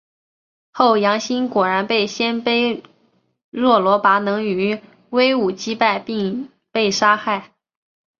后杨欣果然被鲜卑若罗拔能于武威击败并被杀害。